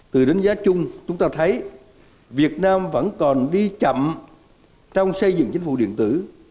từ đánh giá chung chúng ta thấy việt nam vẫn còn đi chậm trong xây dựng chính phủ điện tử